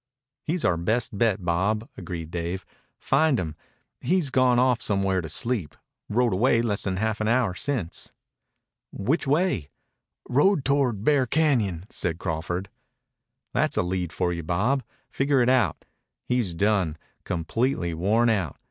"He's our best bet, Bob," agreed Dave. "Find him. He's gone off somewhere to sleep. Rode away less than half an hour since." "Which way?" "Rode toward Bear Cañon," said Crawford. "That's a lead for you, Bob. Figure it out. He's done completely worn out.